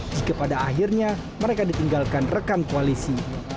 jika pada akhirnya mereka ditinggalkan rekan koalisi